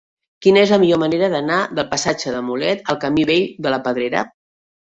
Quina és la millor manera d'anar del passatge de Mulet al camí Vell de la Pedrera?